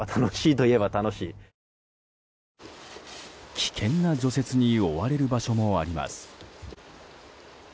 危険な除雪に追われる場所もあります。